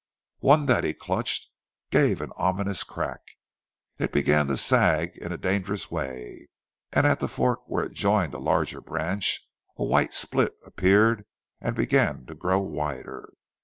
One that he clutched gave an ominous crack. It began to sag in a dangerous way, and at the fork where it joined a larger branch a white slit appeared and began to grow wider.